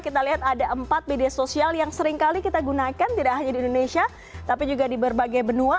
kita lihat ada empat media sosial yang seringkali kita gunakan tidak hanya di indonesia tapi juga di berbagai benua